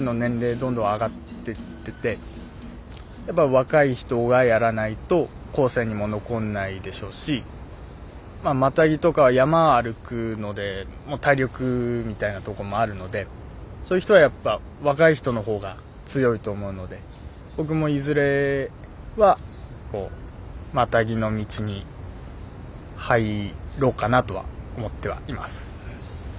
どんどん上がってっててやっぱ若い人がやらないと後世にも残んないでしょうしまあマタギとか山歩くので体力みたいなとこもあるのでそういう人はやっぱ若い人の方が強いと思うので僕もいずれはこうマタギの道に入ろうかなとは思ってはいます。